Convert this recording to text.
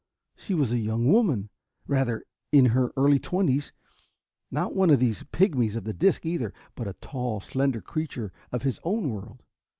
She was a young woman, rather, in her early twenties. Not one of these pigmies of the disc either, but a tall, slender creature of his own world.